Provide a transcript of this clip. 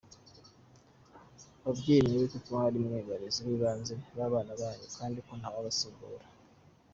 Babyeyi, mwibuke ko ari mwe barezi b’ibanze b’abana banyu kandi ko ntawabasimbura.